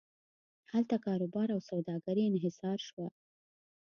هلته کاروبار او سوداګري انحصار شوه.